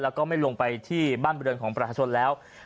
แล้วก็ไม่ลงไปที่บ้านบริเวณของประชาชนแล้ว